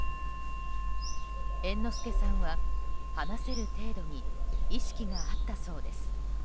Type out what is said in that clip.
猿之助さんは、話せる程度に意識があったそうです。